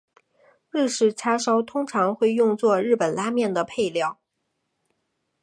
日式叉烧通常会用作日本拉面的配料。